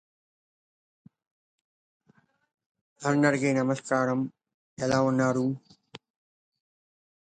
Players need to use "Spirit Vision" in order to find locations of interest.